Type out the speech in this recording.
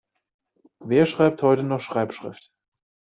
Wer schreibt heute noch Schreibschrift?